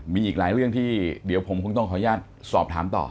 มีอีกหลายเรื่องที่เดี๋ยวผมคงต้องขออนุญาตสอบถามต่อ